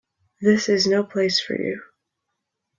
This is no place for you.